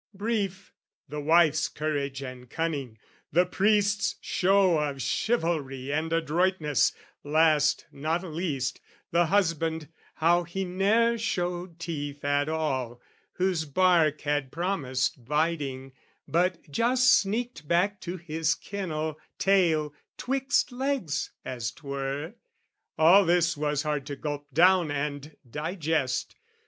Brief, the wife's courage and cunning, the priest's show Of chivalry and adroitness, last not least, The husband how he ne'er showed teeth at all, Whose bark had promised biting; but just sneaked Back to his kennel, tail 'twixt legs, as 'twere, All this was hard to gulp down and digest.